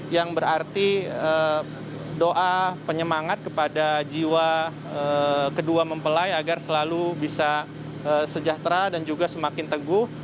yang berarti doa penyemangat kepada jiwa kedua mempelai agar selalu bisa sejahtera dan juga semakin teguh